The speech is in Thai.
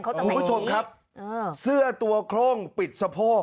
คุณผู้ชมครับเสื้อตัวโคร่งปิดสะโพก